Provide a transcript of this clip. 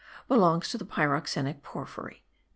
belongs to the pyroxenic porphyry.